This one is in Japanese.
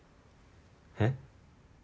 えっ？